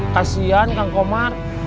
kasian kang komar